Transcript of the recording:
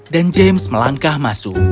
dan james melangkah masuk